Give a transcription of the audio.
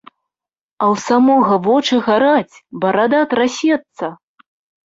А ў самога вочы гараць, барада трасецца.